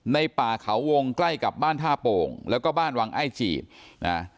ป่าเขาวงใกล้กับบ้านท่าโป่งแล้วก็บ้านวังไอจีดนะ